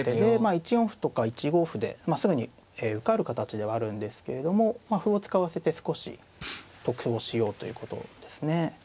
１四歩とか１五歩ですぐに受かる形ではあるんですけれども歩を使わせて少し得をしようということですね。